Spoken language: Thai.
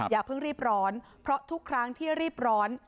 อย่าเพิ่งรีบร้อนเพราะทุกครั้งที่รีบร้อน